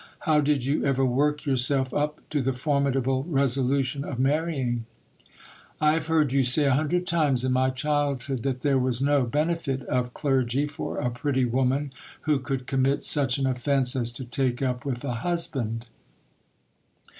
How did you ever work yourself up to the formidable resolution of marrying ? I have heard you say a hundred times, in my childhood, that there was no bene fit of clergy for a pretty woman who could commit such an offence as to take up with a husband.